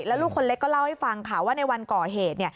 แล้วลูกคนเล็กก็เล่าให้ฟังค่ะว่าในวันก่อเหตุ